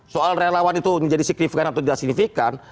soal relawan itu menjadi signifikan atau tidak signifikan